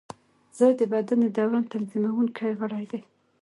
زړه د بدن د دوران تنظیمونکی غړی دی.